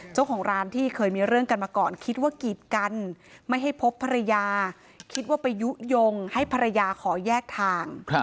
เจ้าของร้านที่เคยมีเรื่องกันมาก่อนคิดว่ากีดกันไม่ให้พบภรรยาคิดว่าไปยุโยงให้ภรรยาขอแยกทาง